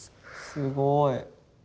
すごい。